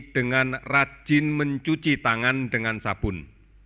dengan rajin mencuci tangan dengan sabun